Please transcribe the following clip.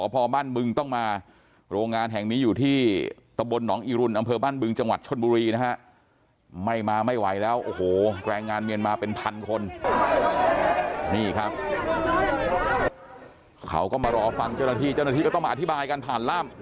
นี่ครับเขาก็มารอฟังเจ้าหน้าที่เจ้าหน้าที่ก็ต้องมาอธิบายกันผ่านล่าม